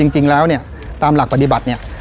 จริงแล้วเนี่ยตามหลักปฏิบัติเนี่ย